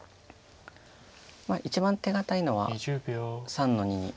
一番手堅いのは３の二に。